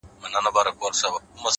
• له ازل څخه یې لار نه وه میندلې,